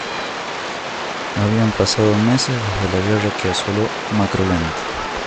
Habían pasado meses desde la guerra que asoló Macro Land.